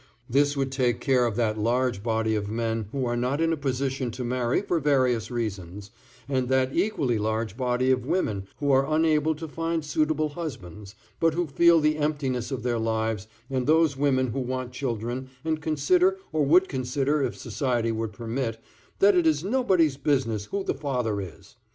This would take care of that large body of men who are not in a position to marry for various reasons, and that equally large body of women who are unable to find suitable husbands, but who feel the emptiness in their lives, and those women who want children and consider, or would consider if society would permit, that it is nobody's business who the father is.